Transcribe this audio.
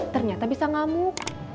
ternyata bisa ngamuk